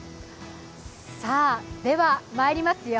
では、まいりますよ。